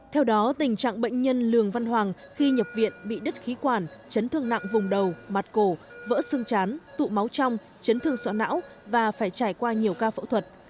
theo đó tình trạng bệnh nhân lường văn hoàng khi nhập viện bị đứt khí quản chấn thương nặng vùng đầu mặt cổ vỡ xương chán tụ máu trong chấn thương sọ não và phải trải qua nhiều ca phẫu thuật